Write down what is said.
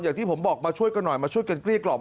อย่างที่ผมบอกมาช่วยกันหน่อยมาช่วยกันเกลี้กล่อม